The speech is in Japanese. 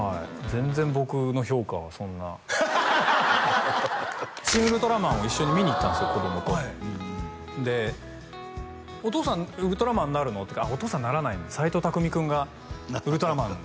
全然僕の評価はそんな「シン・ウルトラマン」を一緒に見に行ったんですよ子供とで「お父さんウルトラマンになるの？」って「あっお父さんならない」「斎藤工君がウルトラマン」